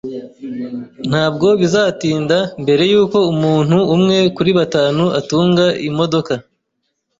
Ntabwo bizatinda mbere yuko umuntu umwe kuri batanu atunga imodoka